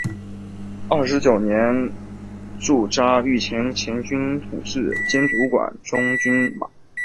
二十九年驻扎御前前军统制兼主管中军军马。